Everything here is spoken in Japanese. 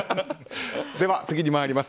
では、次に参ります。